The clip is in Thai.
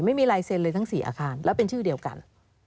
ไม่มีลายเซ็นเลยทั้ง๔อาคารแล้วเป็นชื่อเดียวกัน